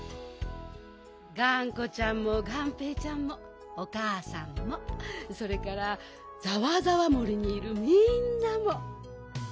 がんこちゃんもがんぺーちゃんもおかあさんもそれからざわざわ森にいるみんなも。